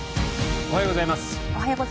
おはようございます。